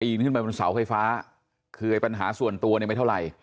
ขึ้นไปบนเสาไฟฟ้าคือไอ้ปัญหาส่วนตัวเนี่ยไม่เท่าไหร่